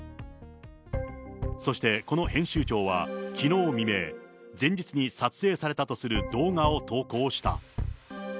そして、この編集長はきのう未明、前日に撮影されたとする動画を投稿した。